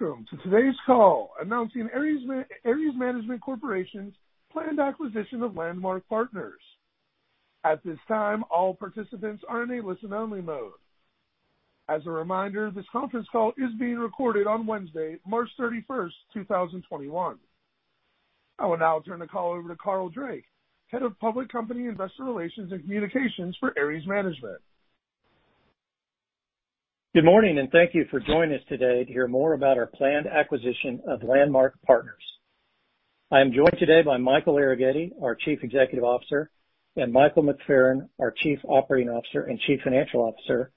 Welcome to today's call announcing Ares Management Corporation's planned acquisition of Landmark Partners. At this time, all participants are in a listen-only mode. As a reminder, this conference call is being recorded on Wednesday, March 31st, 2021. I will now turn the call over to Carl Drake, Head of Public Company Investor Relations and Communications for Ares Management. Good morning, and thank you for joining us today to hear more about our planned acquisition of Landmark Partners. I am joined today by Michael Arougheti, our Chief Executive Officer, and Michael McFerran, our Chief Operating Officer and Chief Financial Officer,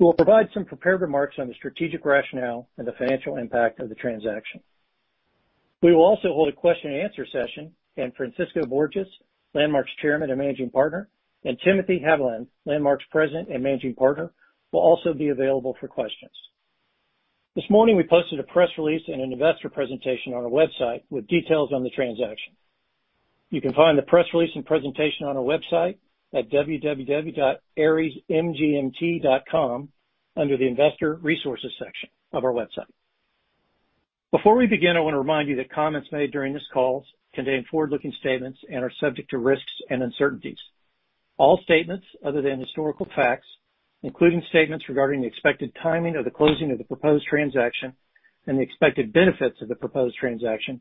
who will provide some prepared remarks on the strategic rationale and the financial impact of the transaction. We will also hold a question-and-answer session, and Francisco Borges, Landmark's Chairman and Managing Partner, and Timothy Haviland, Landmark's President and Managing Partner, will also be available for questions. This morning, we posted a press release and an investor presentation on our website with details on the transaction. You can find the press release and presentation on our website at www.aresmgmt.com under the investor resources section of our website. Before we begin, I want to remind you that comments made during this call contain forward-looking statements and are subject to risks and uncertainties. All statements other than historical facts, including statements regarding the expected timing of the closing of the proposed transaction and the expected benefits of the proposed transaction,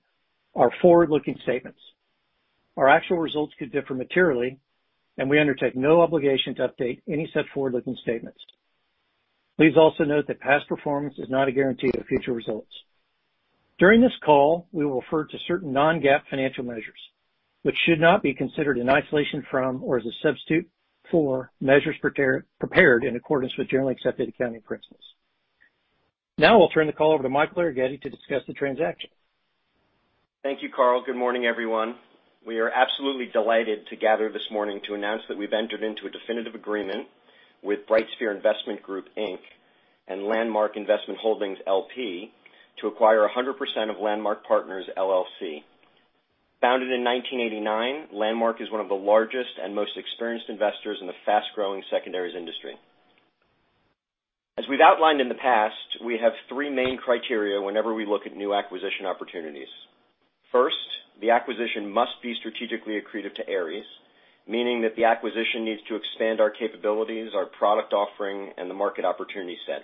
are forward-looking statements. Our actual results could differ materially, and we undertake no obligation to update any such forward-looking statements. Please also note that past performance is not a guarantee of future results. During this call, we will refer to certain non-GAAP financial measures, which should not be considered in isolation from or as a substitute for measures prepared in accordance with generally accepted accounting principles. Now I'll turn the call over to Michael Arougheti to discuss the transaction. Thank you, Carl. Good morning, everyone. We are absolutely delighted to gather this morning to announce that we've entered into a definitive agreement with BrightSphere Investment Group Inc and Landmark Investment Holdings LP to acquire 100% of Landmark Partners LLC. Founded in 1989, Landmark is one of the largest and most experienced investors in the fast-growing secondaries industry. As we've outlined in the past, we have three main criteria whenever we look at new acquisition opportunities. First, the acquisition must be strategically accretive to Ares, meaning that the acquisition needs to expand our capabilities, our product offering, and the market opportunity set.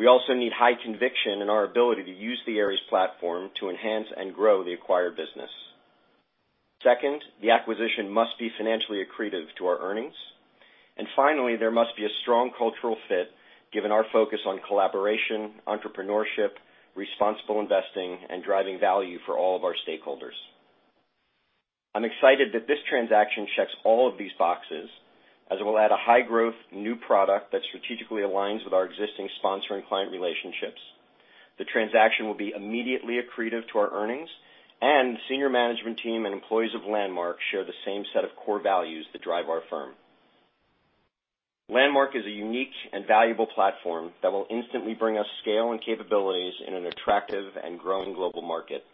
We also need high conviction in our ability to use the Ares platform to enhance and grow the acquired business. Second, the acquisition must be financially accretive to our earnings. Finally, there must be a strong cultural fit given our focus on collaboration, entrepreneurship, responsible investing, and driving value for all of our stakeholders. I'm excited that this transaction checks all of these boxes, as it will add a high growth new product that strategically aligns with our existing sponsor and client relationships. The transaction will be immediately accretive to our earnings, and senior management team and employees of Landmark share the same set of core values that drive our firm. Landmark is a unique and valuable platform that will instantly bring us scale and capabilities in an attractive and growing global market.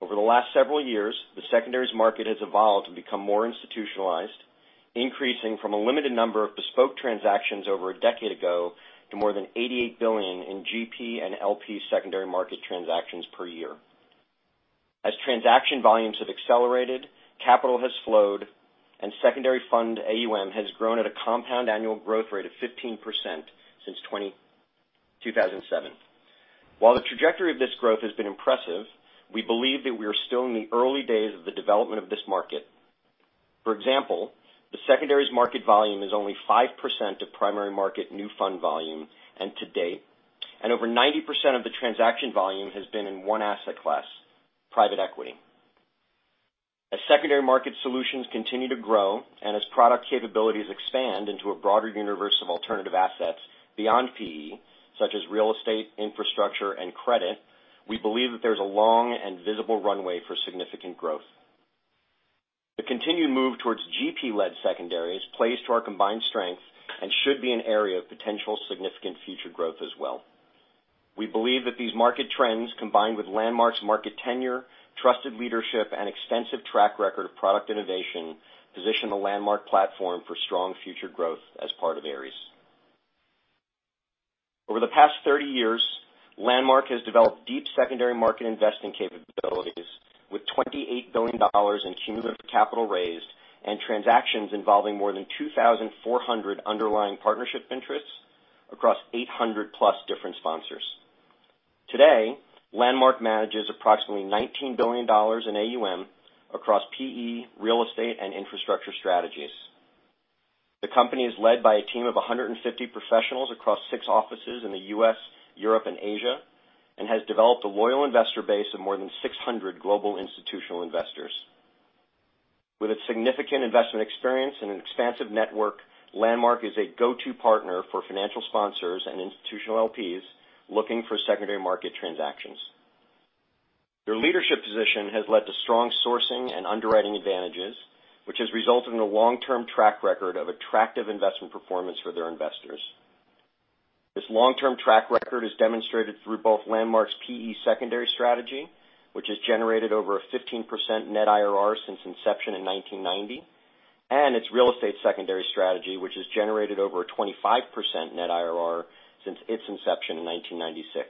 Over the last several years, the secondaries market has evolved to become more institutionalized, increasing from a limited number of bespoke transactions over a decade ago to more than $88 billion in GP and LP secondary market transactions per year. As transaction volumes have accelerated, capital has flowed, and secondary fund AUM has grown at a compound annual growth rate of 15% since 2007. While the trajectory of this growth has been impressive, we believe that we are still in the early days of the development of this market. For example, the secondaries market volume is only 5% of primary market new fund volume and to date, and over 90% of the transaction volume has been in one asset class, private equity. As secondary market solutions continue to grow and as product capabilities expand into a broader universe of alternative assets beyond PE, such as real estate, infrastructure, and credit, we believe that there's a long and visible runway for significant growth. The continued move towards GP-led secondaries plays to our combined strength and should be an area of potential significant future growth as well. We believe that these market trends, combined with Landmark's market tenure, trusted leadership, and extensive track record of product innovation, position the Landmark platform for strong future growth as part of Ares. Over the past 30 years, Landmark has developed deep secondary market investing capabilities with $28 billion in cumulative capital raised and transactions involving more than 2,400 underlying partnership interests across 800+ different sponsors. Today, Landmark manages approximately $19 billion in AUM across PE, real estate, and infrastructure strategies. The company is led by a team of 150 professionals across six offices in the U.S., Europe, and Asia, and has developed a loyal investor base of more than 600 global institutional investors. With its significant investment experience and an expansive network, Landmark is a go-to partner for financial sponsors and institutional LPs looking for secondary market transactions. Their leadership position has led to strong sourcing and underwriting advantages, which has resulted in a long-term track record of attractive investment performance for their investors. This long-term track record is demonstrated through both Landmark's PE secondary strategy, which has generated over a 15% net IRR since inception in 1990. Its real estate secondary strategy, which has generated over a 25% net IRR since its inception in 1996.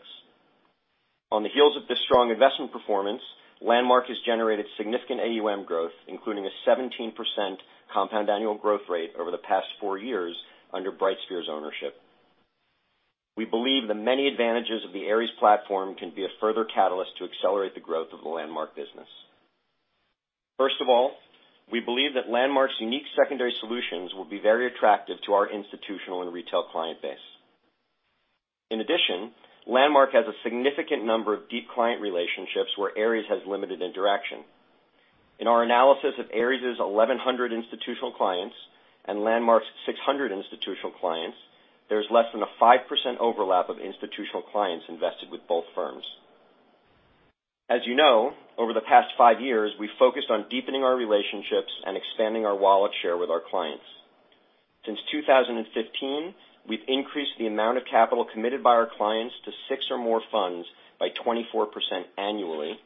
On the heels of this strong investment performance, Landmark has generated significant AUM growth, including a 17% compound annual growth rate over the past four years under BrightSphere's ownership. We believe the many advantages of the Ares platform can be a further catalyst to accelerate the growth of the Landmark business. First of all, we believe that Landmark's unique secondary solutions will be very attractive to our institutional and retail client base. In addition, Landmark has a significant number of deep client relationships where Ares has limited interaction. In our analysis of Ares' 1,100 institutional clients and Landmark's 600 institutional clients, there is less than a 5% overlap of institutional clients invested with both firms. As you know, over the past five years, we focused on deepening our relationships and expanding our wallet share with our clients. Since 2015, we've increased the amount of capital committed by our clients to six or more funds by 24% annually,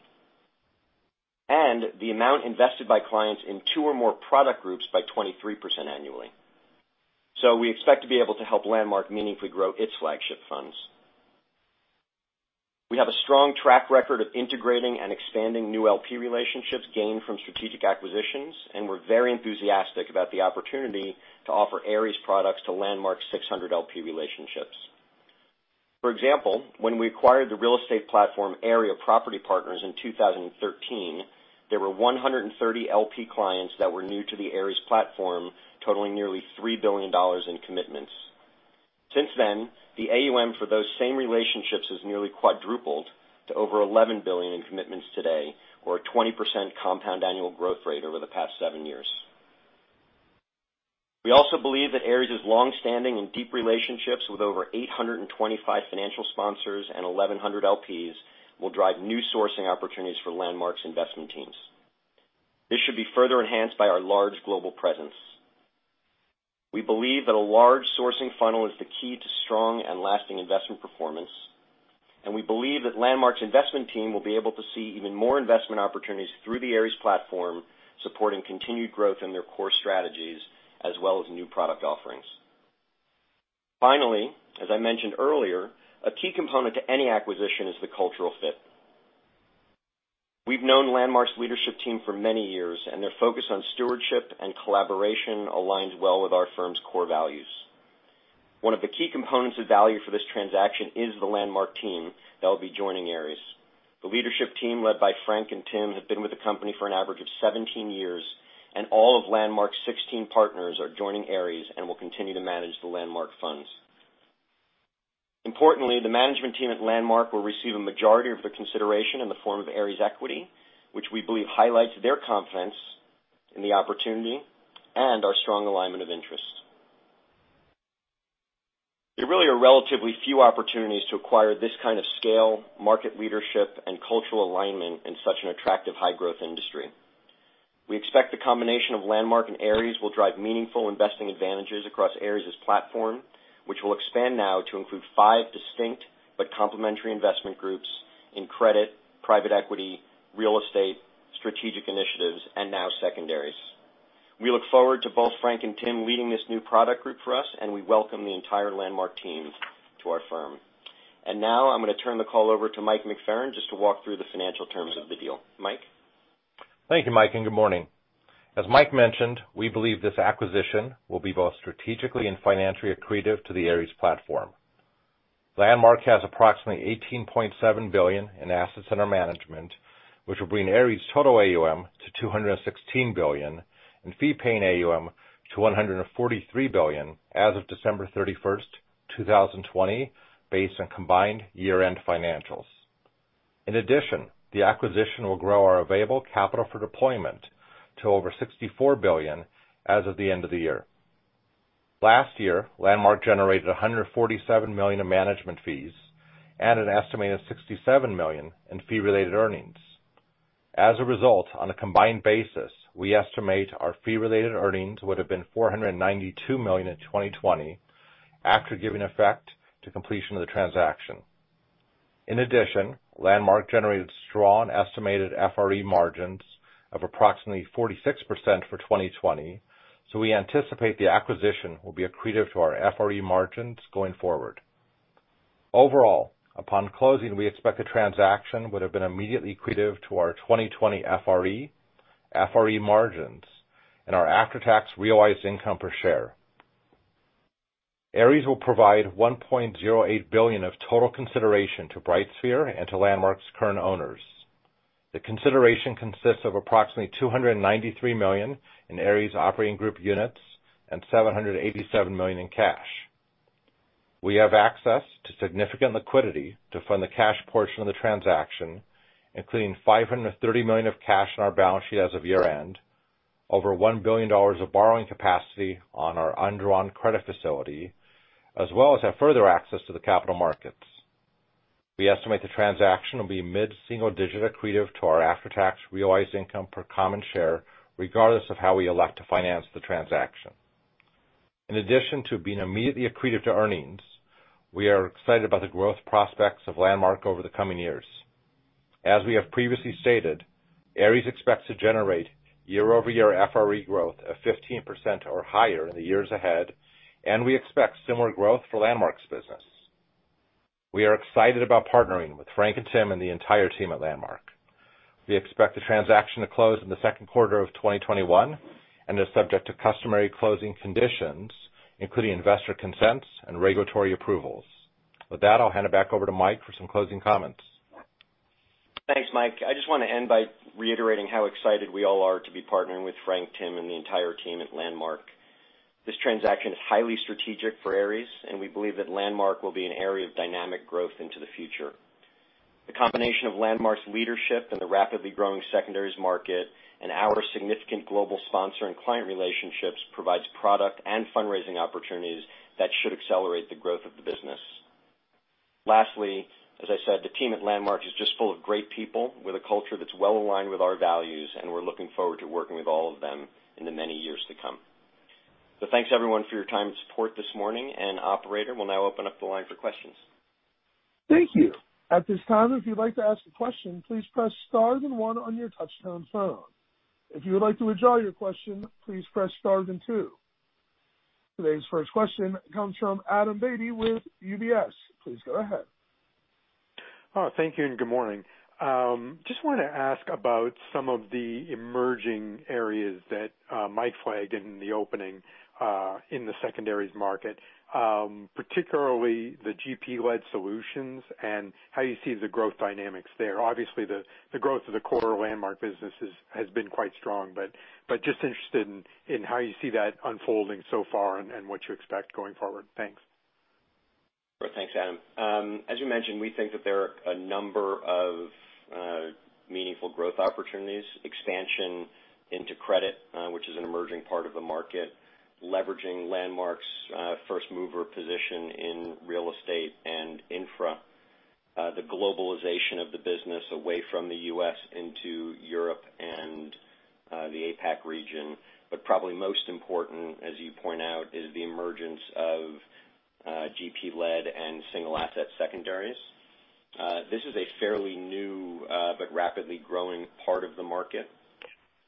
and the amount invested by clients in two or more product groups by 23% annually. We expect to be able to help Landmark meaningfully grow its flagship funds. We have a strong track record of integrating and expanding new LP relationships gained from strategic acquisitions, and we're very enthusiastic about the opportunity to offer Ares products to Landmark's 600 LP relationships. For example, when we acquired the real estate platform AREA Property Partners in 2013, there were 130 LP clients that were new to the Ares platform, totaling nearly $3 billion in commitments. Since then, the AUM for those same relationships has nearly quadrupled to over $11 billion in commitments today, or a 20% compound annual growth rate over the past seven years. We also believe that Ares' longstanding and deep relationships with over 825 financial sponsors and 1,100 LPs will drive new sourcing opportunities for Landmark's investment teams. This should be further enhanced by our large global presence. We believe that a large sourcing funnel is the key to strong and lasting investment performance, and we believe that Landmark's investment team will be able to see even more investment opportunities through the Ares platform, supporting continued growth in their core strategies as well as new product offerings. Finally, as I mentioned earlier, a key component to any acquisition is the cultural fit. We've known Landmark's leadership team for many years, and their focus on stewardship and collaboration aligns well with our firm's core values. One of the key components of value for this transaction is the Landmark team that will be joining Ares. The leadership team, led by Frank and Tim, have been with the company for an average of 17 years, and all of Landmark's 16 partners are joining Ares and will continue to manage the Landmark funds. Importantly, the management team at Landmark will receive a majority of the consideration in the form of Ares equity, which we believe highlights their confidence in the opportunity and our strong alignment of interest. There really are relatively few opportunities to acquire this kind of scale, market leadership, and cultural alignment in such an attractive high-growth industry. We expect the combination of Landmark and Ares will drive meaningful investing advantages across Ares' platform, which will expand now to include five distinct but complementary investment groups in credit, private equity, real estate, strategic initiatives, and now secondaries. We look forward to both Frank and Tim leading this new product group for us, and we welcome the entire Landmark team to our firm. Now I'm going to turn the call over to Mike McFerran just to walk through the financial terms of the deal. Mike? Thank you, Mike, and good morning. As Mike mentioned, we believe this acquisition will be both strategically and financially accretive to the Ares platform. Landmark has approximately $18.7 billion in assets under management, which will bring Ares' total AUM to $216 billion and fee-paying AUM to $143 billion as of December 31st, 2020, based on combined year-end financials. In addition, the acquisition will grow our available capital for deployment to over $64 billion as of the end of the year. Last year, Landmark generated $147 million in management fees and an estimated $67 million in fee-related earnings. As a result, on a combined basis, we estimate our fee-related earnings would have been $492 million in 2020 after giving effect to completion of the transaction. In addition, Landmark generated strong estimated FRE margins of approximately 46% for 2020, we anticipate the acquisition will be accretive to our FRE margins going forward. Overall, upon closing, we expect the transaction would have been immediately accretive to our 2020 FRE margins, and our after-tax realized income per share. Ares will provide $1.08 billion of total consideration to BrightSphere and to Landmark's current owners. The consideration consists of approximately $293 million in Ares Operating Group Units and $787 million in cash. We have access to significant liquidity to fund the cash portion of the transaction, including $530 million of cash on our balance sheet as of year-end, over $1 billion of borrowing capacity on our undrawn credit facility, as well as have further access to the capital markets. We estimate the transaction will be mid-single digit accretive to our after-tax realized income per common share, regardless of how we elect to finance the transaction. In addition to being immediately accretive to earnings, we are excited about the growth prospects of Landmark over the coming years. As we have previously stated, Ares expects to generate year-over-year FRE growth of 15% or higher in the years ahead, and we expect similar growth for Landmark's business. We are excited about partnering with Frank and Tim and the entire team at Landmark. We expect the transaction to close in the second quarter of 2021, and is subject to customary closing conditions, including investor consents and regulatory approvals. With that, I'll hand it back over to Mike for some closing comments. Thanks, Mike. I just want to end by reiterating how excited we all are to be partnering with Frank, Tim, and the entire team at Landmark. This transaction is highly strategic for Ares, and we believe that Landmark will be an area of dynamic growth into the future. The combination of Landmark's leadership and the rapidly growing secondaries market, and our significant global sponsor and client relationships provides product and fundraising opportunities that should accelerate the growth of the business. Lastly, as I said, the team at Landmark is just full of great people with a culture that's well aligned with our values, and we're looking forward to working with all of them in the many years to come. Thanks everyone for your time and support this morning, and operator, we'll now open up the line for questions. Thank you. At this time, if you would like to ask a question, please press star then one of your touchtone phone. If you would like to withdraw your question, please press star then two. Today's first question comes from Adam Beatty with UBS. Please go ahead. Thank you and good morning. Just want to ask about some of the emerging areas that Mike flagged in the opening, in the secondaries market. Particularly the GP-led solutions, and how you see the growth dynamics there. Obviously, the growth of the core Landmark businesses has been quite strong, but just interested in how you see that unfolding so far and what you expect going forward. Thanks. Sure. Thanks, Adam. As you mentioned, we think that there are a number of meaningful growth opportunities, expansion into credit, which is an emerging part of the market, leveraging Landmark's first mover position in real estate and infra. The globalization of the business away from the U.S. into Europe and the APAC region. Probably most important, as you point out, is the emergence of GP-led and single asset secondaries. This is a fairly new, but rapidly growing part of the market,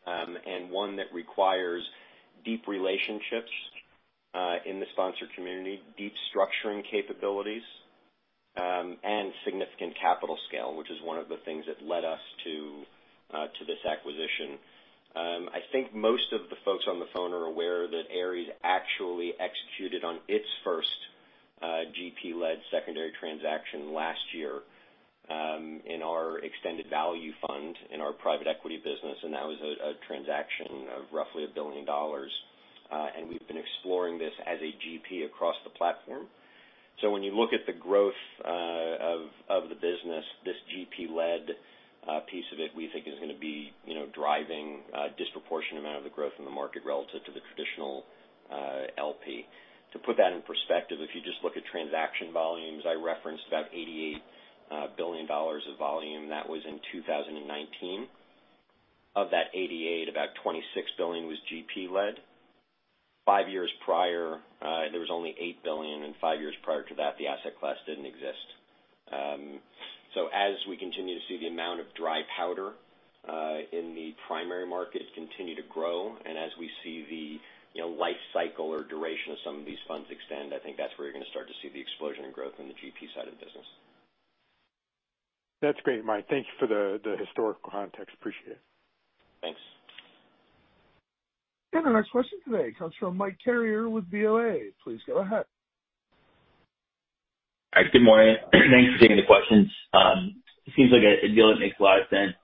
and one that requires deep relationships, in the sponsor community, deep structuring capabilities, and significant capital scale, which is one of the things that led us to this acquisition. I think most of the folks on the phone are aware that Ares actually executed on its first GP-led secondary transaction last year, in our Extended Value Fund in our private equity business. That was a transaction of roughly $1 billion. We've been exploring this as a GP across the platform. When you look at the growth of the business, this GP-led piece of it, we think is going to be driving a disproportionate amount of the growth in the market relative to the traditional LP. To put that in perspective, if you just look at transaction volumes, I referenced about $88 billion of volume. That was in 2019. Of that $88 billion, about $26 billion was GP-led. Five years prior, there was only $8 billion, and five years prior to that, the asset class didn't exist. As we continue to see the amount of dry powder in the primary market continue to grow, and as we see the life cycle or duration of some of these funds extend, I think that's where you're going to start to see the explosion in growth in the GP side of the business. That's great, Mike. Thank you for the historical context. Appreciate it. Thanks. Our next question today comes from Mike Carrier with BoA. Please go ahead. Hi. Good morning. Thanks for taking the questions. It seems like a deal that makes a lot of sense.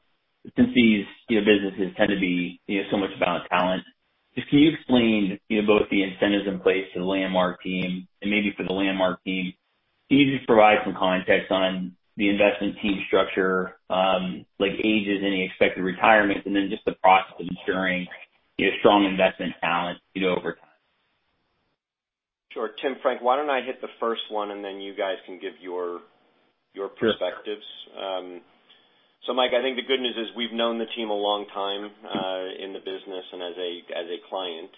Since these businesses tend to be so much about talent, just can you explain both the incentives in place for the Landmark team, and maybe for the Landmark team, can you just provide some context on the investment team structure, like ages, any expected retirement, and then just the process of ensuring strong investment talent over time? Sure. Tim, Frank, why don't I hit the first one, and then you guys can give your perspectives. Mike, I think the good news is we've known the team a long time, in the business and as a client.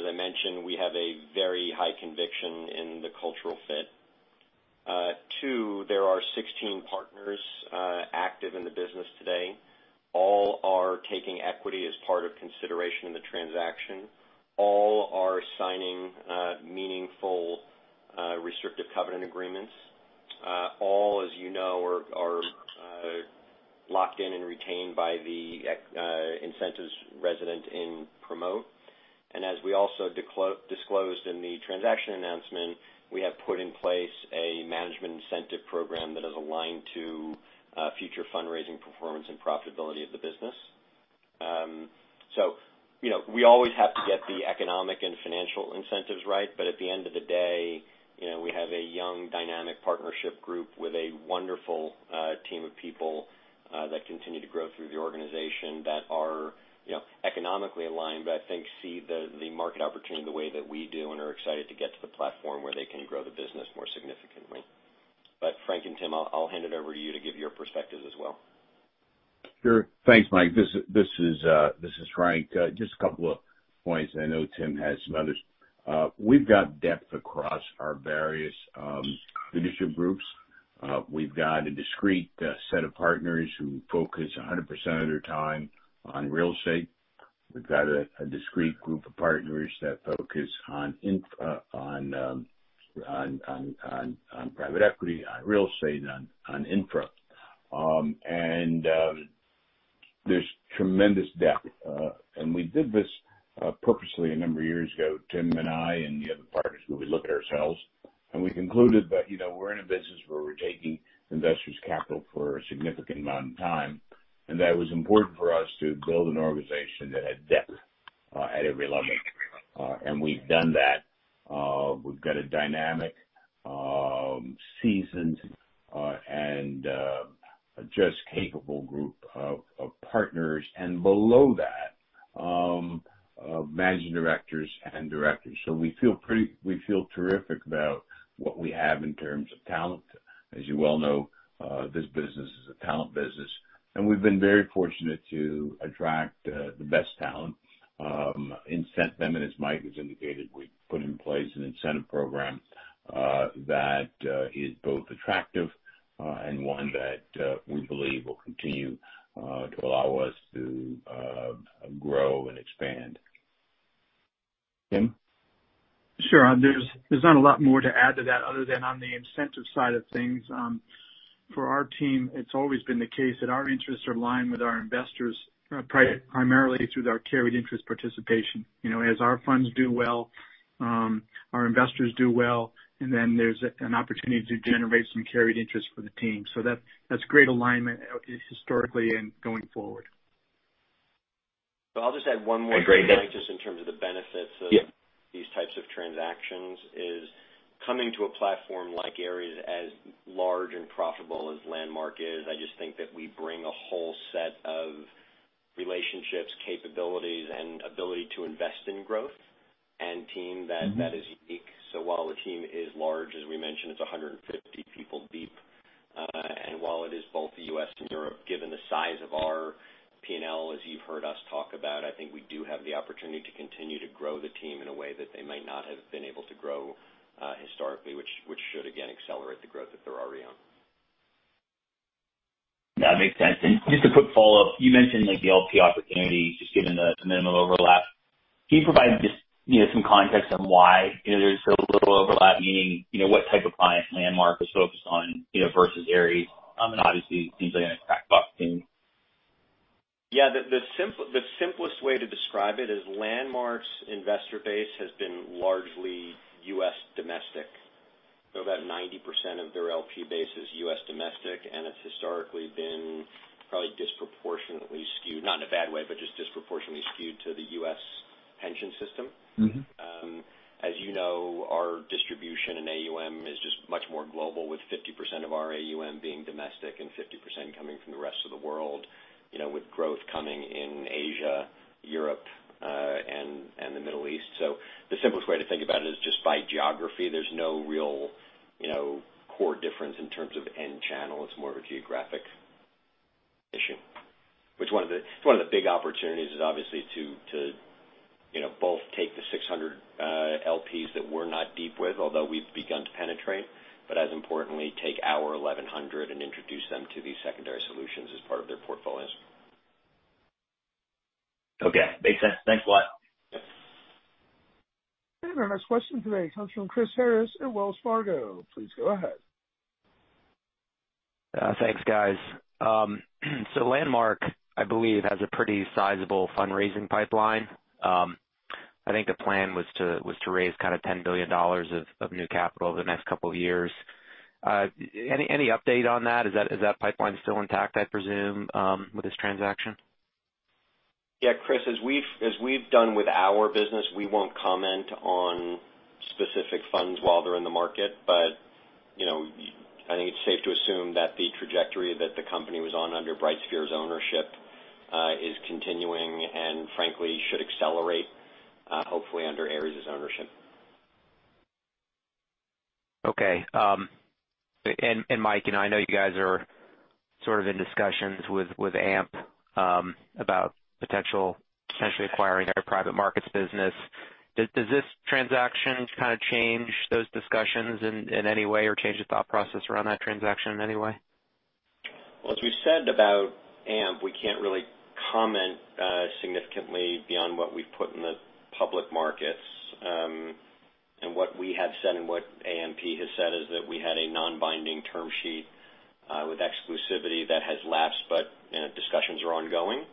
As I mentioned, we have a very high conviction in the cultural fit. Two, there are 16 partners active in the business today. All are taking equity as part of consideration in the transaction. All are signing meaningful restrictive covenant agreements. All, as you know, are locked in and retained by the incentives resident in promote. As we also disclosed in the transaction announcement, we have put in place a management incentive program that is aligned to future fundraising performance and profitability of the business. We always have to get the economic and financial incentives right. At the end of the day, we have a young, dynamic partnership group with a wonderful team of people that continue to grow through the organization that are economically aligned, but I think see the market opportunity the way that we do, and are excited to get to the platform where they can grow the business more significantly. Frank and Tim, I'll hand it over to you to give your perspective as well. Sure. Thanks, Mike. This is Frank. Just a couple of points. I know Tim has some others. We've got depth across our various [initiative groups]. We've got a discrete set of partners who focus 100% of their time on real estate. We've got a discrete group of partners that focus on private equity, on real estate, on infra. There's tremendous depth. We did this on purposely a number of years ago, Tim and I, and the other partners, where we looked at ourselves, and we concluded that we're in a business where we're taking investors' capital for a significant amount of time, and that it was important for us to build an organization that had depth at every level. We've done that. We've got a dynamic, seasoned, and just capable group of partners, and below that, managing directors and directors. We feel terrific about what we have in terms of talent. As you well know, this business is a talent business. We've been very fortunate to attract the best talent, incent them, and as Mike has indicated, we put in place an incentive program that is both attractive and one that we believe will continue to allow us to grow and expand. Tim? Sure. There's not a lot more to add to that other than on the incentive side of things. For our team, it's always been the case that our interests are aligned with our investors, primarily through our carried interest participation. As our funds do well, our investors do well, and then there's an opportunity to generate some carried interest for the team. That's great alignment historically and going forward. I'll just add one more thing, just in terms of the benefits of these types of transactions, is coming to a platform like Ares as large and profitable as Landmark is, I just think that we bring a whole set of relationships, capabilities, and ability to invest in growth and team that is unique. While the team is large, as we mentioned, it's 150 people deep. While it is both the U.S. and Europe, given the size of our P&L, as you've heard us talk about, I think we do have the opportunity to continue to grow the team in a way that they might not have been able to grow historically, which should, again, accelerate the growth that they're already on. That makes sense. Just a quick follow-up. You mentioned the LP opportunity, just given the minimum overlap. Can you provide just some context on why there's so little overlap, meaning, what type of client Landmark is focused on versus Ares? Obviously, seems like an [exact buck team]. Yeah. The simplest way to describe it is Landmark's investor base has been largely U.S. domestic. About 90% of their LP base is U.S. domestic, and it's historically been probably disproportionately skewed, not in a bad way, but just disproportionately skewed to the U.S. pension system. Mm-hmm. As you know, our distribution in AUM is just much more global, with 50% of our AUM being domestic and 50% coming from the rest of the world, with growth coming in Asia, Europe, and the Middle East. The simplest way to think about it is just by geography. There's no real core difference in terms of end channel. It's more of a geographic issue. Which one of the big opportunities is obviously to both take the 600 LPs that we're not deep with, although we've begun to penetrate, but as importantly, take our 1,100 and introduce them to these secondary solutions as part of their portfolios. Okay. Makes sense. Thanks a lot. Yep. Our next question today comes from Chris Harris at Wells Fargo. Please go ahead. Thanks, guys. Landmark, I believe, has a pretty sizable fundraising pipeline. I think the plan was to raise $10 billion of new capital over the next couple of years. Any update on that? Is that pipeline still intact, I presume, with this transaction? Yeah, Chris, as we've done with our business, we won't comment on specific funds while they're in the market. I think it's safe to assume that the trajectory that the company was on under BrightSphere's ownership is continuing and frankly, should accelerate, hopefully under Ares's ownership. Okay. Mike, I know you guys are sort of in discussions with AMP about potentially acquiring our private markets business. Does this transaction kind of change those discussions in any way or change the thought process around that transaction in any way? Well, as we've said about AMP, we can't really comment significantly beyond what we've put in the public markets. What we have said and what AMP has said is that we had a non-binding term sheet, with exclusivity that has lapsed, but discussions are ongoing.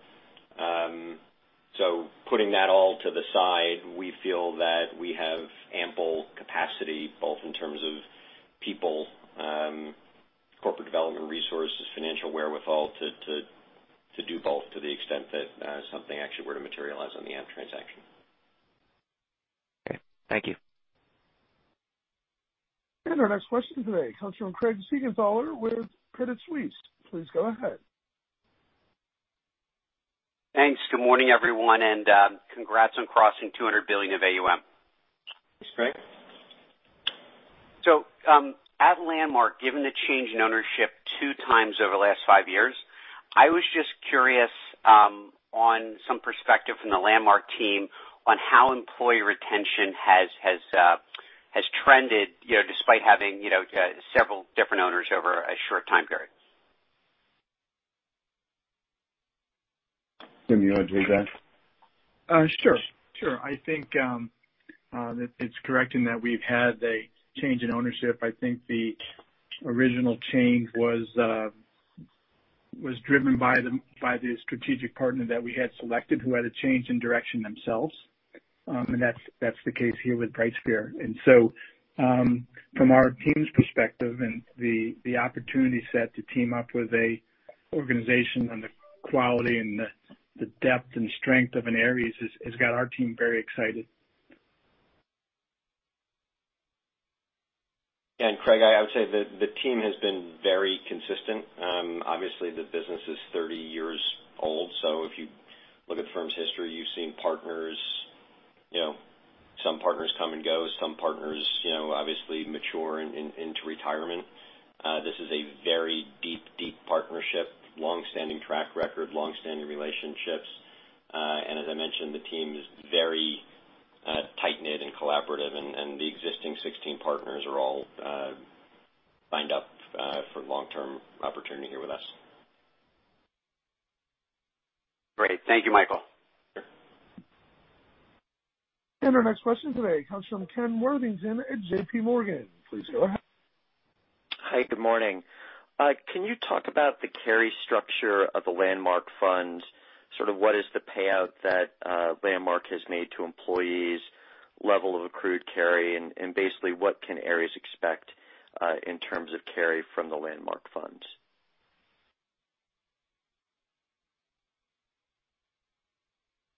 Putting that all to the side, we feel that we have ample capacity, both in terms of people, corporate development resources, financial wherewithal, to do both to the extent that something actually were to materialize on the AMP transaction. Okay. Thank you. Our next question today comes from Craig Siegenthaler with Credit Suisse. Please go ahead. Thanks. Good morning, everyone, and congrats on crossing $200 billion of AUM. Thanks, Craig. At Landmark, given the change in ownership two times over the last five years, I was just curious on some perspective from the Landmark team on how employee retention has trended despite having several different owners over a short time period. Tim, you want to take that? Sure. I think that it's correct in that we've had a change in ownership. I think the original change was driven by the strategic partner that we had selected who had a change in direction themselves. That's the case here with BrightSphere. From our team's perspective and the opportunity set to team up with an organization on the quality and the depth and strength of an Ares has got our team very excited. Craig, I would say the team has been very consistent. Obviously, the business is 30 years old. If you look at the firm's history, you've seen partners, some partners come and go. Some partners obviously mature into retirement. This is a very deep, deep partnership, longstanding track record, longstanding relationships. As I mentioned, the team is very tight-knit and collaborative, and the existing 16 partners are all signed up for long-term opportunity here with us. Great. Thank you, Michael. Sure. Our next question today comes from Ken Worthington at JPMorgan. Please go ahead. Hi, good morning. Can you talk about the carry structure of the Landmark Fund? Sort of what is the payout that Landmark has made to employees, level of accrued carry, and basically what can Ares expect in terms of carry from the Landmark Funds?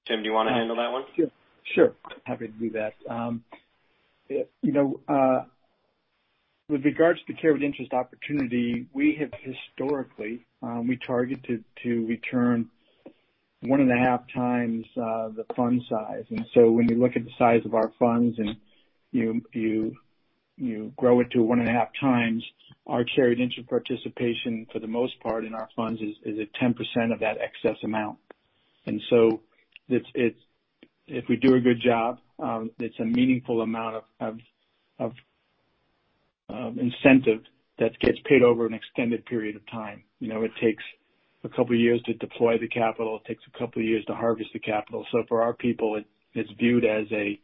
Tim, do you want to handle that one? Sure. Happy to do that. With regards to the carried interest opportunity, we have historically targeted to return 1.5 times the fund size. When you look at the size of our funds and you grow it to 1.5 times, our carried interest participation for the most part in our funds is at 10% of that excess amount. If we do a good job, it's a meaningful amount of incentive that gets paid over an extended period of time. It takes a couple of years to deploy the capital. It takes a couple of years to harvest the capital. For our people, it's viewed as a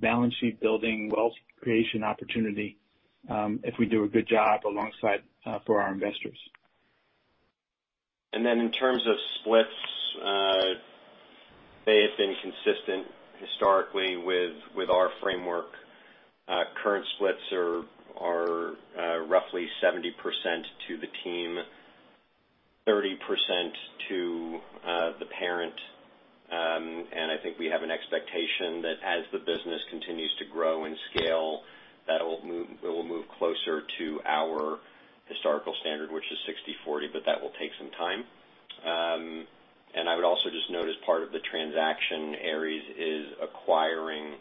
balance sheet building, wealth creation opportunity, if we do a good job alongside for our investors. In terms of splits, they have been consistent historically with our framework. Current splits are roughly 70% to the team, 30% to the parent. I think we have an expectation that as the business continues to grow and scale, that it will move closer to our historical standard, which is 60/40. That will take some time. I would also just note as part of the transaction, Ares is acquiring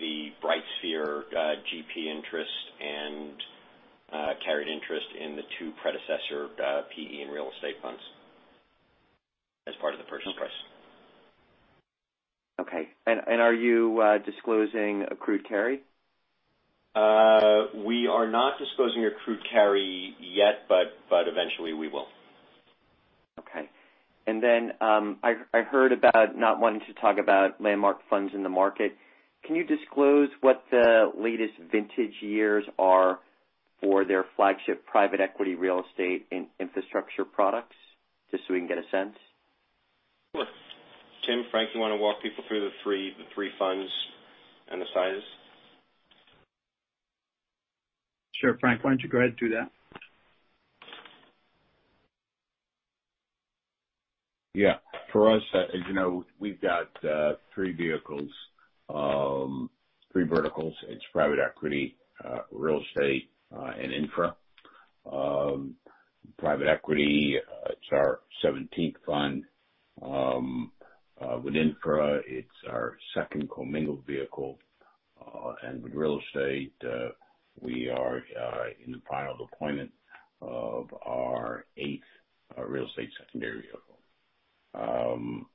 the BrightSphere GP interest and carried interest in the two predecessor about PE and real estate funds as part of the purchase price. Okay. Are you disclosing accrued carry? We are not disclosing accrued carry yet, but eventually we will. Okay. I heard about not wanting to talk about Landmark funds in the market. Can you disclose what the latest vintage years are for their flagship private equity real estate infrastructure products, just so we can get a sense? Sure. Tim, Frank, you want to walk people through the three funds and the sizes? Sure. Frank, why don't you go ahead and do that? Yeah. For us, as you know, we've got three vehicles, three verticals. It's private equity, real estate, and infra. Private equity, it's our 17th fund. With infra, it's our second commingled vehicle. With real estate, we are in the final deployment of our eighth real estate secondary vehicle.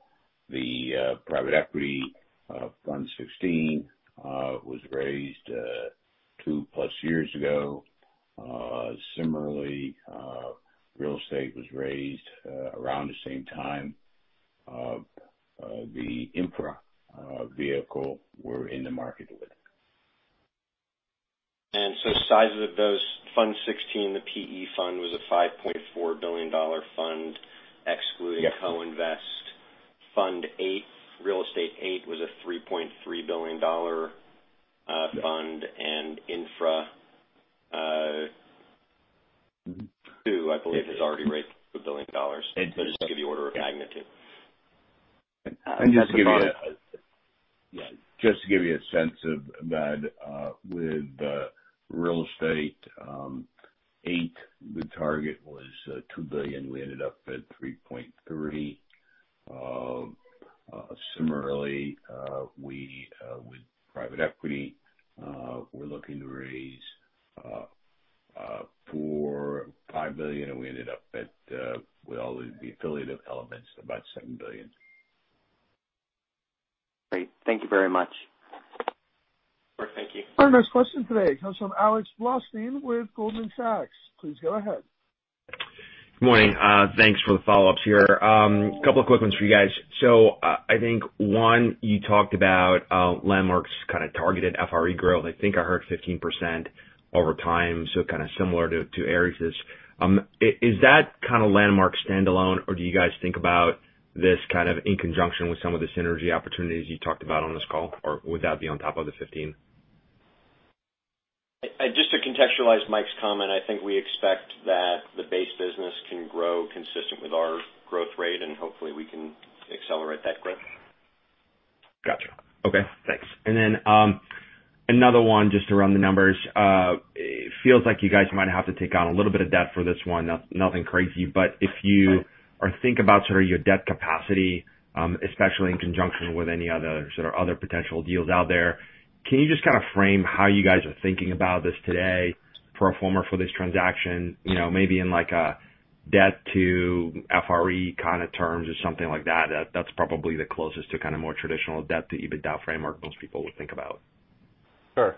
The private equity Fund XVI was raised 2+ years ago. Similarly, real estate was raised around the same time. The infra vehicle we're in the market with. Sizes of those, Fund XVI, the PE fund, was a $5.4 billion fund excluding co-invest. Fund VIII, Real Estate VIII, was a $3.3 billion fund. Infra II, I believe, is already raised $1 billion. Just to give you order of magnitude. Just to give you. Yeah. Just to give you a sense of that, with Real Estate VIII, the target was $2 billion. We ended up at $3.3 billion. Similarly, with private equity, we're looking to raise $4 billion-$5 billion, and we ended up with all the affiliated elements, about $7 billion. Great. Thank you very much. Great. Thank you. Our next question today comes from Alex Blostein with Goldman Sachs. Please go ahead. Good morning. Thanks for the follow-ups here. Couple of quick ones for you guys. I think one, you talked about Landmark's targeted FRE growth. I think I heard 15% over time, so similar to Ares'. Is that kind of Landmark standalone, or do you guys think about this in conjunction with some of the synergy opportunities you talked about on this call? Would that be on top of the 15%? Just to contextualize Mike's comment, I think we expect that the base business can grow consistent with our growth rate, and hopefully we can accelerate that growth. Got you. Okay, thanks. Then another one just to run the numbers. It feels like you guys might have to take on a little bit of debt for this one, nothing crazy. If you are thinking about your debt capacity, especially in conjunction with any other potential deals out there, can you just frame how you guys are thinking about this today, pro forma for this transaction, maybe in like a debt to FRE kind of terms or something like that? That's probably the closest to kind of more traditional debt to EBITDA framework most people would think about. Sure.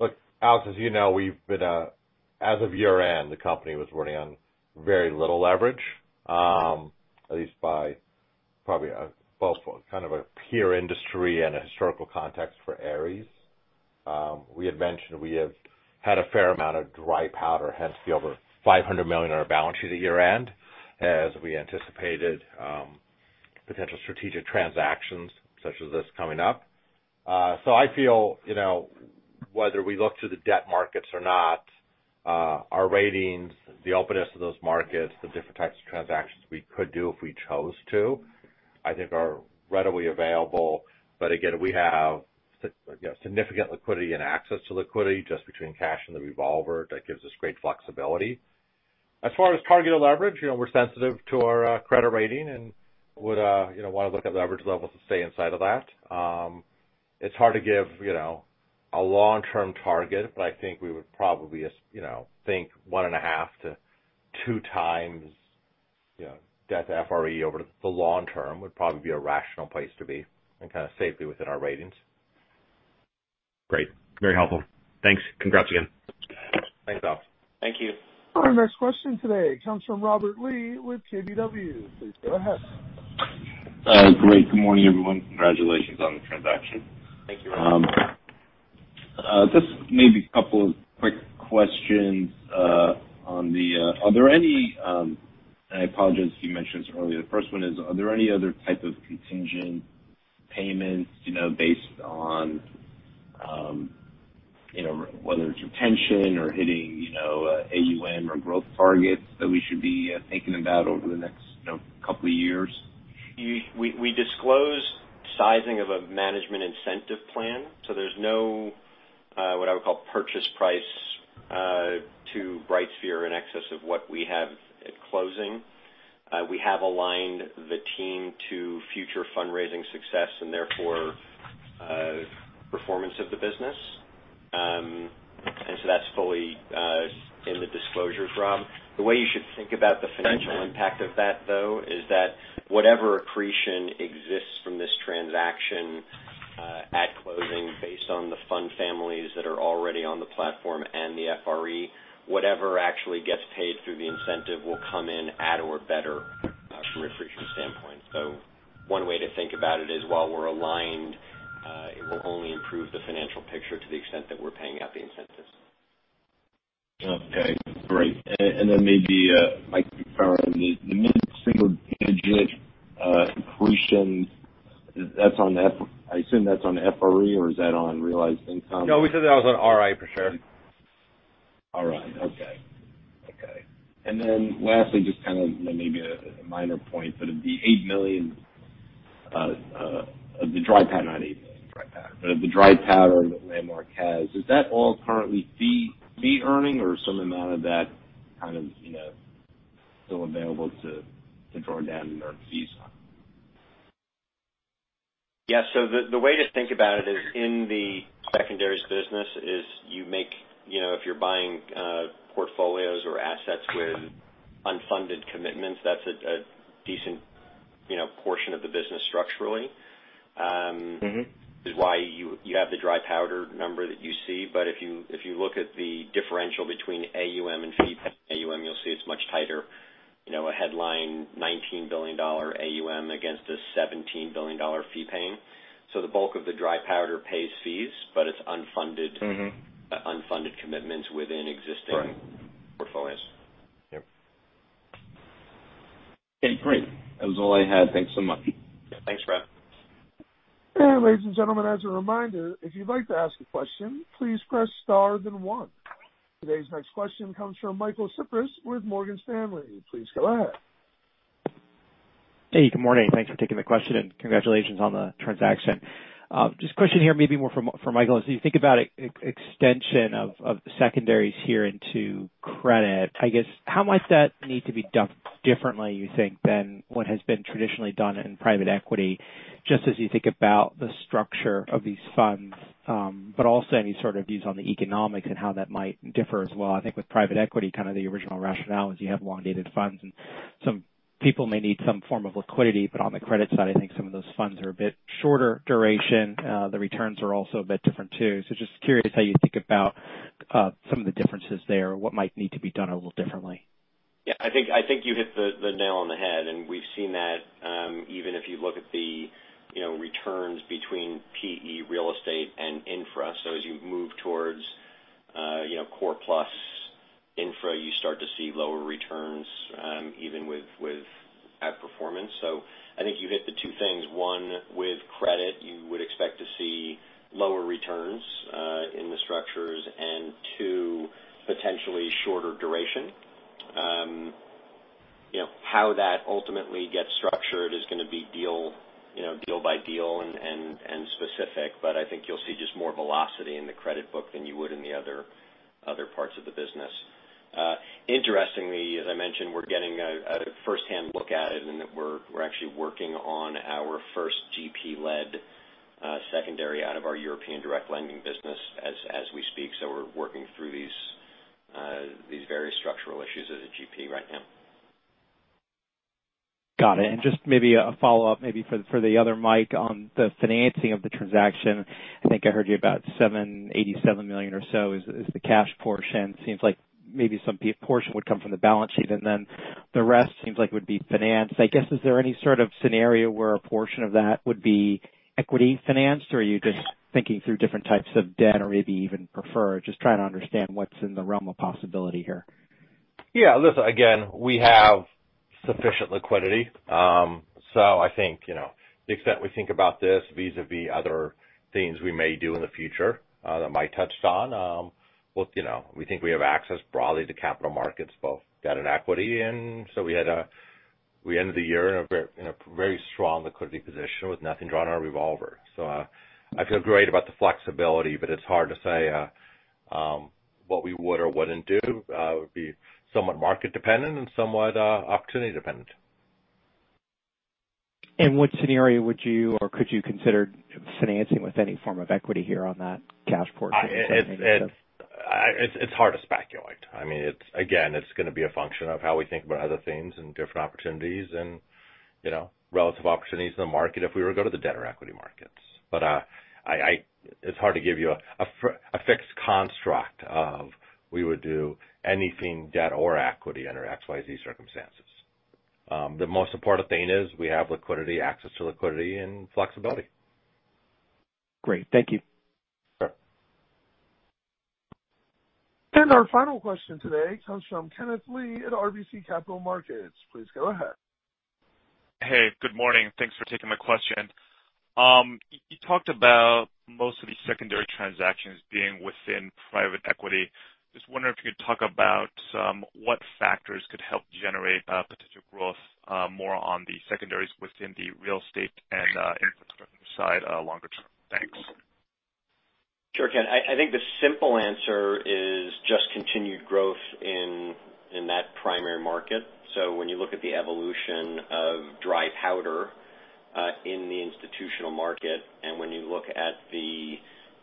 Look, Alex, as you know, as of year-end, the company was running on very little leverage. At least by probably both for kind of a peer industry and a historical context for Ares. We had mentioned we have had a fair amount of dry powder, hence the over $500 million on our balance sheet at year-end, as we anticipated potential strategic transactions such as this coming up. I feel, whether we look to the debt markets or not, our ratings, the openness of those markets, the diff types of transactions we could do if we chose to, I think are readily available. Again, we have significant liquidity and access to liquidity just between cash and the revolver. That gives us great flexibility. As far as targeted leverage, we're sensitive to our credit rating and would want to look at leverage levels to stay inside of that. It's hard to give a long-term target, but I think we would probably think 1.5 times to two times debt to FRE over the long term would probably be a rational place to be and safely within our ratings. Great. Very helpful. Thanks. Congrats again. Thanks, Alex. Thank you. Our next question today comes from Robert Lee with KBW. Please go ahead. Great. Good morning, everyone. Congratulations on the transaction. Thank you very much. Maybe a couple of quick questions. I apologize if you mentioned this earlier. The first one is, are there any other type of contingent payments, based on whether it's retention or hitting AUM or growth targets that we should be thinking about over the next couple of years? We disclosed sizing of a management incentive plan, so there's no, what I would call purchase price to BrightSphere in excess of what we have at closing. We have aligned the team to future fundraising success and therefore performance of the business. That's fully in the disclosure, Rob. The way you should think about the financial impact of that, though, is that whatever accretion exists from this transaction at closing based on the fund families that are already on the platform and the FRE, whatever actually gets paid through the incentive will come in at or better from an accretion standpoint. One way to think about it is while we're aligned, it will only improve the financial picture to the extent that we're paying out the incentives. Okay, great. Then maybe, Mike, if you could clarify, the mid-single digit accretion, I assume that's on the FRE, or is that on realized income? No, we said that was on RI for sure. RI. Okay. OKay. Then lastly, just maybe a minor point, but the $8 million of the dry powder, not $8 million dry powder, but of the dry powder that Landmark has. Is that all currently fee earning or some amount of that kind of still available to draw down and earn fees on? Yeah. The way to think about it is in the secondaries business is you make if you're buying portfolios or assets with unfunded commitments, that's a decent portion of the business structurally. Mm-hmm. Is why you have the dry powder number that you see. If you look at the differential between AUM and fee AUM, you'll see it's much tighter. A headline $19 billion AUM against a $17 billion fee paying. The bulk of the dry powder pays fees, but it's unfunded. Mm-hmm. Unfunded commitments within existing. Right. Portfolios. Yep. Okay, great. That was all I had. Thanks so much. Yeah. Thanks, Rob. Ladies and gentlemen, as a reminder, if you'd like to ask a question, please press star then one. Today's next question comes from Michael Cyprys with Morgan Stanley. Please go ahead. Hey, good morning. Thanks for taking the question, and congratulations on the transaction. Just a question here maybe more for Michael. As you think about extension of secondaries here into credit, I guess, how much does that need to be done differently, you think, than what has been traditionally done in private equity, just as you think about the structure of these funds? Also any sort of views on the economics and how that might differ as well. I think with private equity, kind of the original rationale is you have long-dated funds and some people may need some form of liquidity. On the credit side, I think some of those funds are a bit shorter duration. The returns are also a bit different too. Just curious how you think about some of the differences there or what might need to be done a little differently. Yeah. I think you hit the nail on the head. We've seen that even if you look at the returns between PE real estate and infra. As you move towards core plus infra, you start to see lower returns, even with outperformance. I think you hit the two things. One, with credit, you would expect to see lower returns, in the structures. Two, potentially shorter duration. How that ultimately gets structured is going to be deal by deal and specific, but I think you'll see just more velocity in the credit book than you would in the other parts of the business. Interestingly, as I mentioned, we're getting a firsthand look at it in that we're actually working on our first GP-led secondary out of our European direct lending business as we speak. We're working through these various structural issues as a GP right now. Got it. Just maybe a follow-up, maybe for the other Mike on the financing of the transaction. I think I heard you about $787 million or so is the cash portion. Seems like maybe some portion would come from the balance sheet, and then the rest seems like it would be financed. Is there any sort of scenario where a portion of that would be equity financed, or are you just thinking through different types of debt or maybe even preferred? Just trying to understand what's in the realm of possibility here. Yeah. Listen, again, we have sufficient liquidity. I think the extent we think about this vis-a-vis other things we may do in the future that Mike touched on. We think we have access broadly to capital markets, both debt and equity. We ended the year in a very strong liquidity position with nothing drawn in our revolver. I feel great about the flexibility, but it's hard to say what we would or wouldn't do. It would be somewhat market dependent and somewhat opportunity dependent. In what scenario would you or could you consider financing with any form of equity here on that cash portion? It's hard to speculate. It's going to be a function of how we think about other themes and different opportunities and relative opportunities in the market if we were to go to the debt or equity markets. It's hard to give you a fixed construct of we would do anything debt or equity under XYZ circumstances. The most important thing is we have liquidity, access to liquidity, and flexibility. Great. Thank you. Sure. Our final question today comes from Kenneth Lee at RBC Capital Markets. Please go ahead. Hey, good morning. Thanks for taking my question. You talked about most of these secondary transactions being within private equity. Just wondering if you could talk about some what factors could help generate potential growth more on the secondaries within the real estate and infrastructure side longer term. Thanks. Sure, Ken. I think the simple answer is just continued growth in that primary market. When you look at the evolution of dry powder in the institutional market, and when you look at the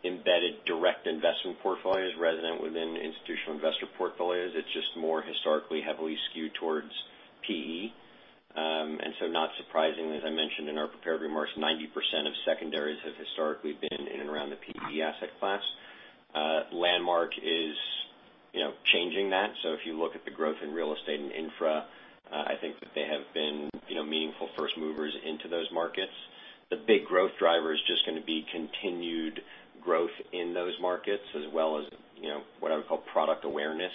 embedded direct investment portfolios resident within institutional investor portfolios, it's just more historically heavily skewed towards PE. Not surprisingly, as I mentioned in our prepared remarks, 90% of secondaries have historically been in and around the PE asset class. Landmark is changing that. If you look at the growth in real estate and infra, I think that they have been meaningful first movers into those markets. The big growth driver is just going to be continued growth in those markets as well as what I would call product awareness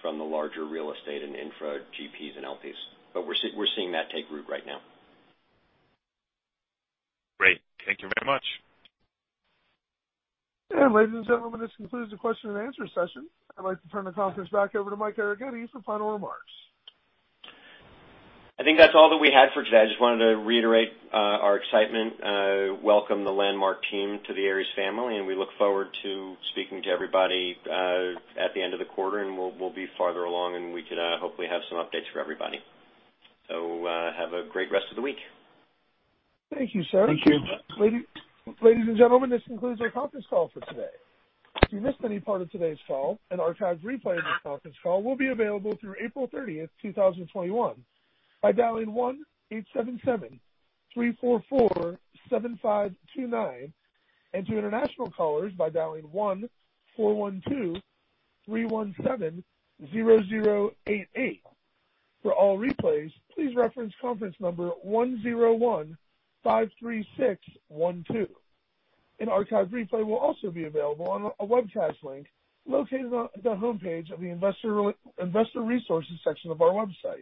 from the larger real estate and infra GPs and LPs. We're seeing that take root right now. Great. Thank you very much. Ladies and gentlemen, this concludes the question-and-answer session. I'd like to turn the conference back over to Michael Arougheti for final remarks. I think that's all that we had for today. I just wanted to reiterate our excitement, welcome the Landmark team to the Ares family, and we look forward to speaking to everybody at the end of the quarter, and we'll be farther along, and we can hopefully have some updates for everybody. Have a great rest of the week. Thank you, sir. Thank you. Ladies and gentlemen, this concludes our conference call for today. If you missed any part of today's call, an archived replay of this conference call will be available through April 30th, 2021, by dialing 1-877-344-7529, and to international callers by dialing 1-412-317-0088. For all replays, please reference conference number 10153612. An archived replay will also be available on a webcast link located on the homepage of the investor resources section of our website.